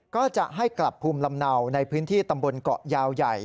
ก็จะให้กลับภูมิลำเนาในพื้นที่ตำบลเกาะยาวใหญ่